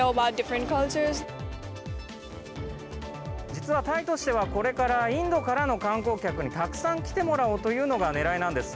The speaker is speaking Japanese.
実はタイとしてはこれからインドからの観光客にたくさん来てもらおうというのがねらいなんです。